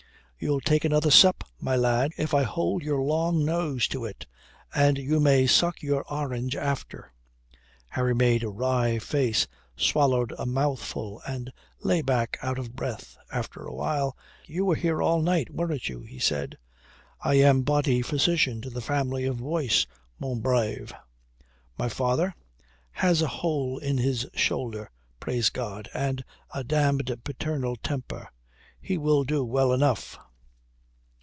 "You'll take another sup, my lad, if I hold your long nose to it. And you may suck your orange after." Harry made a wry face, swallowed a mouthful and lay back out of breath. After a while, "You were here all night, weren't you?" he said. "I am body physician to the family of Boyce, mon brave." "My father?" "Has a hole in his shoulder, praise God, and a damned paternal temper. He will do well enough."